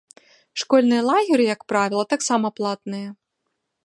Школьныя лагеры, як правіла, таксама платныя.